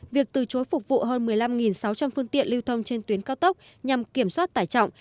việc từ chối phục vụ hơn một mươi năm sáu trăm linh phương tiện lưu thông trên tuyến cao tốc nhằm kiểm soát tải trọng